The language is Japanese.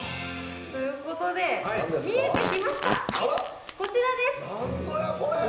ということで、見えてきました、こちらです。